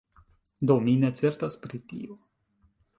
Do mi ne certas pri tio.